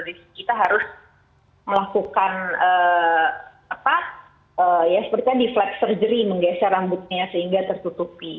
jadi kita harus melakukan ya sepertinya di flap surgery menggeser rambutnya sehingga tertutupi